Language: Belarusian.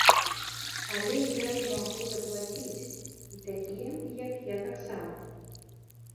Але я ж магу заплаціць, і такія, як я, таксама.